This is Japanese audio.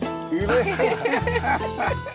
ハハハハ。